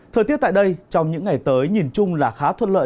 thời tiết tại đây trong những ngày tới nhìn chung là khá thuận lợi